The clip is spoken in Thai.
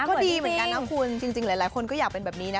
ก็ดีเหมือนกันนะคุณจริงหลายคนก็อยากเป็นแบบนี้นะ